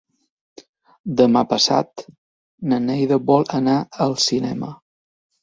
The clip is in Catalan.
Demà passat na Neida vol anar al cinema.